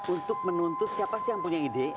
untuk menuntut siapa sih yang punya ide